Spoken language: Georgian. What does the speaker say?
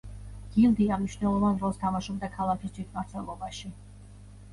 გილდია მნიშვნელოვან როლს თამაშობდა ქალაქის თვითმმართველობაში.